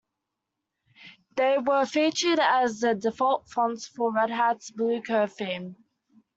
They were featured as the default fonts for Red Hat's Bluecurve theme.